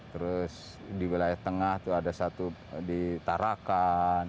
terus di wilayah tengah itu ada satu di tarakan